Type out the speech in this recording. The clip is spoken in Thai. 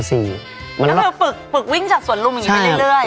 ก็คือฝึกวิ่งจากสวนลุมอย่างนี้ไปเรื่อย